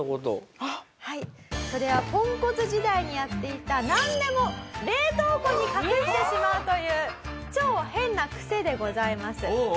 それはポンコツ時代にやっていたなんでも冷凍庫に隠してしまうという超変なクセでございます。